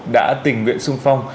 đã tình nguyện sung phong